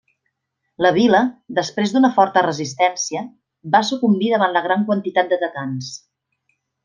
La vila, després d'una forta resistència, va sucumbir davant la gran quantitat d'atacants.